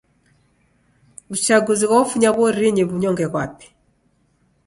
W'uchaguzi ghofunya w'orinyi w'unyonge ghwape.